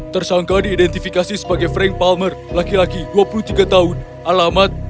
tersangka diidentifikasi sebagai frank palmer laki laki dua puluh tiga tahun alamat